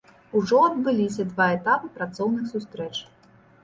Ужо адбыліся два этапы працоўных сустрэч.